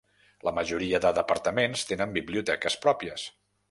La majoria de departaments tenen biblioteques pròpies.